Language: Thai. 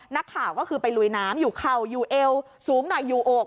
นักข่าวก็คือไปลุยน้ำอยู่เข่าอยู่เอวสูงหน่อยอยู่อก